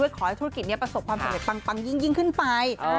ขอให้ธุรกิจนี้ประสบความสำเร็จปังยิ่งขึ้นไป